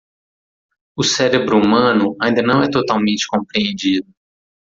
O cérebro humano ainda não é totalmente compreendido.